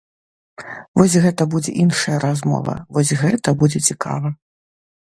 Вось гэта будзе іншая размова, вось гэта будзе цікава.